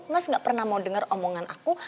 mas gak pernah mau dengar omongan aku